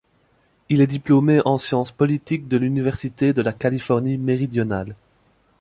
Il est diplômé en science politique de l'université de la Californie méridionale.